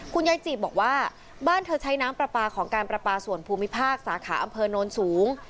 ยายจีบบอกว่าบ้านเธอใช้น้ำปลาปลาของการประปาส่วนภูมิภาคสาขาอำเภอโน้นสูง